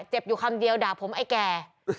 เจ็บอยู่คำเดียวด่าผมไอ้แก่